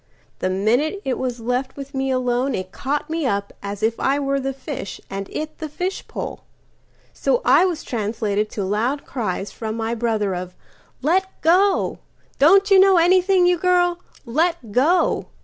The minute it was left with me aloneIt caught me up as if I were the fishAnd it the fishpole. So I was translatedTo loud cries from my brother of "Let go! Don't you know anything, you girl? Let go!"